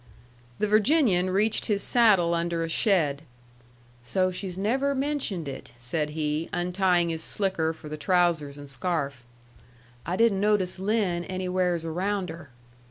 The Virginian reached his saddle under a shed. "So she's never mentioned it," said he, untying his slicker for the trousers and scarf. "I didn't notice Lin anywheres around her."